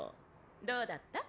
どうだった？